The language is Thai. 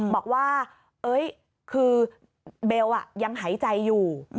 บอกว่าคือเบลยังหายใจอยู่